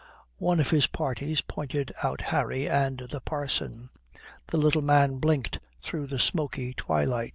One of his party pointed out Harry and the parson. The little man blinked through the smoky twilight.